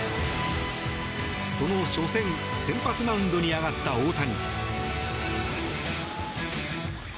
その初戦先発マウンドに上がった大谷。